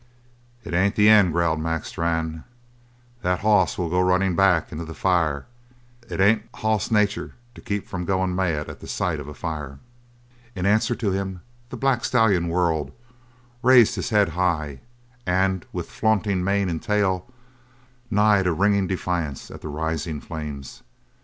"It ain't the end," growled Mac Strann, "that hoss will go runnin' back into the fire. It ain't hoss nature to keep from goin' mad at the sight of a fire!" In answer to him, the black stallion whirled, raised his head high, and, with flaunting mane and tail, neighed a ringing defiance at the rising flames.